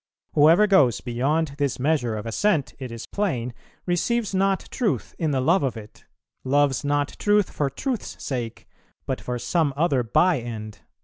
Whoever goes beyond this measure of assent, it is plain, receives not truth in the love of it; loves not truth for truth's sake, but for some other by end."